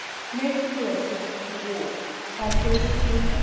NATIVE RACES AND THE WAR, BY JOSEPHINE E.